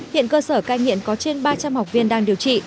hiện cơ sở cai nghiện có trên ba trăm linh học viên đang điều trị